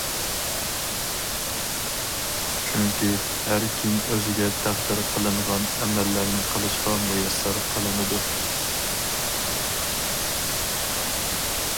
چۈنكى ھەركىم ئۆزىگە تەقدىر قىلىنغان ئەمەللەرنى قىلىشقا مۇيەسسەر قىلىنىدۇ.